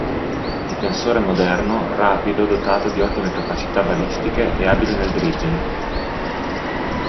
Difensore moderno, rapido dotato di ottime capacità balistiche e abile nel dribbling.